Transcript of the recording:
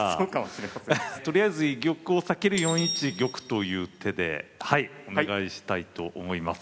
とりあえず居玉を避ける４一玉という手でお願いしたいと思います。